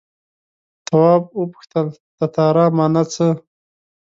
تواب وپوښتل تتارا مانا څه ده.